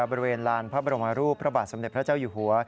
บริเวณลานพระบรมรูปพระบาทสมเด็จพระเจ้าอยู่หัว